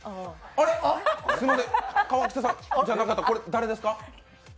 あれすみません、川北さんじゃなかった、誰ですか？